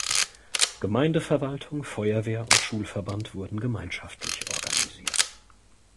Gemeindeverwaltung, Feuerwehr und Schulverband wurden gemeinschaftlich organisiert.